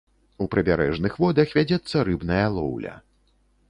У прыбярэжных водах вядзецца рыбная лоўля.